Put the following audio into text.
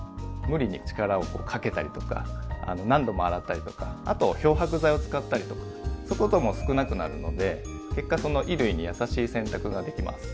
無理に力をこうかけたりとか何度も洗ったりとかあと漂白剤を使ったりとかそういうことも少なくなるので結果衣類にやさしい洗濯ができます。